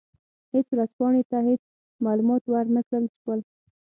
هېڅ ورځپاڼې ته هېڅ معلومات ور نه کړل شول.